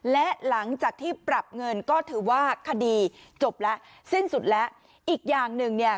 และหลังจากที่ปรับเงินก็ถือว่าคดีจบแล้วสิ้นสุดแล้วอีกอย่างหนึ่งเนี่ย